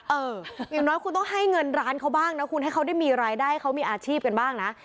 อย่างน้อยคุณต้องให้เงินร้านเขาบ้างนะคุณให้เขาได้มีรายได้เขามีอาชีพกันบ้างนะ